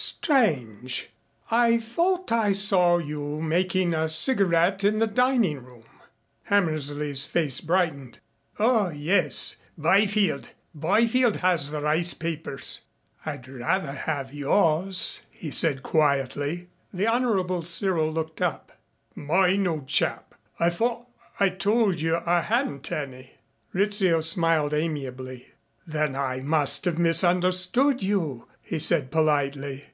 "Strange. I thought I saw you making a cigarette in the dining room." Hammersley's face brightened. "Oh, yes, Byfield. Byfield has rice papers." "I'd rather have yours," he said quietly. The Honorable Cyril looked up. "Mine, old chap? I thought I told you I hadn't any." Rizzio smiled amiably. "Then I must have misunderstood you," he said politely.